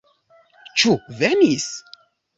Ĉu venis?